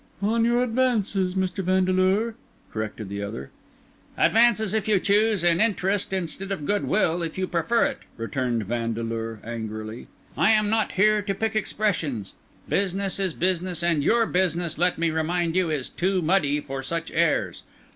"On your advances, Mr. Vandeleur," corrected the other. "Advances, if you choose; and interest instead of goodwill, if you prefer it," returned Vandeleur angrily. "I am not here to pick expressions. Business is business; and your business, let me remind you, is too muddy for such airs.